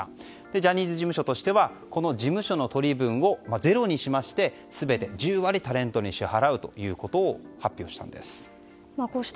ジャニーズ事務所としては事務所の取り分をゼロにしまして全て１０割、タレントに支払うということを発表しました。